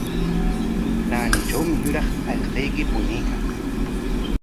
Naanitrawmi yuraq allquyki puñuykan.